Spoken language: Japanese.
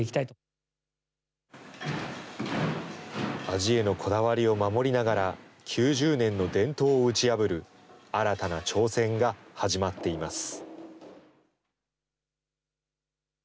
味へのこだわりを守りながら、９０年の伝統を打ち破る新たな挑戦が始まっています。